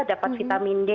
dapat vitamin d